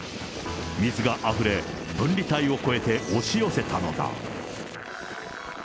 水があふれ、分離帯を越えて押し寄せたのだ。